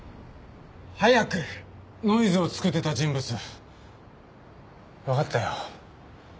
ノイズを作ってた人物わかったよ。